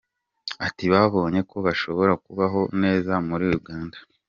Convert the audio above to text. Ati “Babonye ko bashobora kubaho neza muri Uganda.